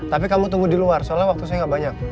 tapi kamu tunggu di luar soalnya waktu saya gak banyak